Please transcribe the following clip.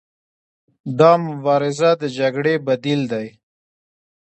دا مبارزه د جګړې بدیل دی.